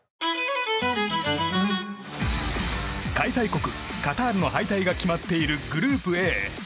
開催国カタールの敗退が決まっているグループＡ。